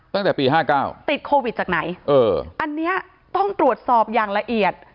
ตั้งแต่ปี๕๙ติดโควิดจากไหนเอออันนี้ต้องตรวจสอบอย่างละเอียด